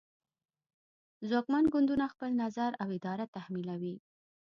ځواکمن ګوندونه خپل نظر او اراده تحمیلوي